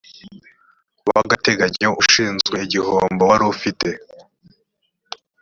w agateganyo ushinzwe igihombo wari ufite